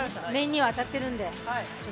面には当たってるんで。